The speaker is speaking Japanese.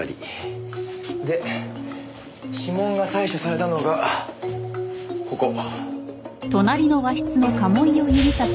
で指紋が採取されたのがここ。